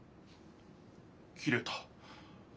切れた。